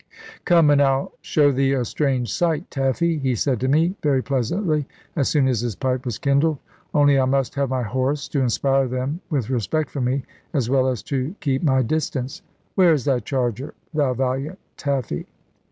"Come, and I'll show thee a strange sight, Taffy," he said to me very pleasantly, as soon as his pipe was kindled; "only I must have my horse, to inspire them with respect for me, as well as to keep my distance. Where is thy charger, thou valiant Taffy?"